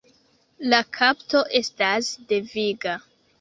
La kapto estas deviga.